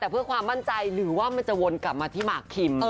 แต่เพื่อความมั่นใจหรือว่ามันจะวนกลับมาที่หมากคิม